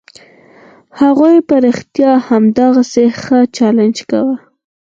هغوی په رښتيا هم همداسې ښه چلند کاوه.